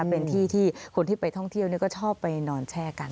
เป็นที่ที่คนที่ไปท่องเที่ยวก็ชอบไปนอนแช่กัน